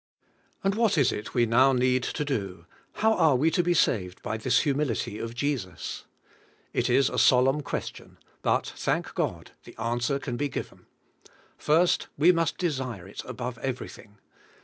And what is it we now need to do? How are we to be saved by this humility of Jesus? It is a solemn question, but, thank God, the answer can be given. First we must desire it above everything.